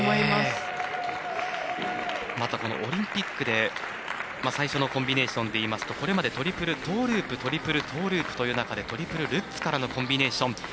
まだオリンピックで最初のコンビネーションでいうとこれまでトリプルトーループトリプルトーループという中でトリプルルッツからのコンビネーション。